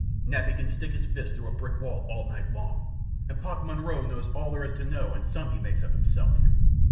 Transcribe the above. "Nappy can stick his fist through a brick wall all night long. And Pop Monroe knows all there is to know and some he makes up himself.